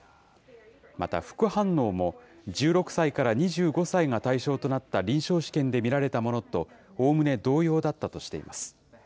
また副反応も１６歳から２５歳が対象となった臨床試験で見られたものとおおむね同様だったとしています。